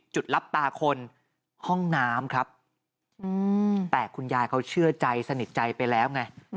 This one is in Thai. รับตาคนห้องน้ำครับแต่คุณยายเขาเชื่อใจสนิทใจไปแล้วไง